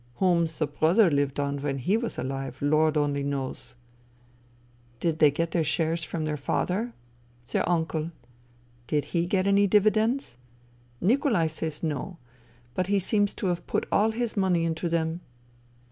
Whom the brother lived on when he was alive, Lord only knows !"" Did they get their shares from their father ?"" Their uncle." " Did he get any dividends ?"" Nikolai says no. But he seems to have put all his money into them."